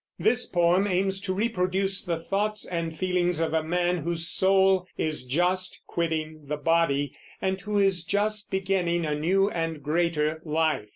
This poem aims to reproduce the thoughts and feelings of a man whose soul is just quitting the body, and who is just beginning a new and greater life.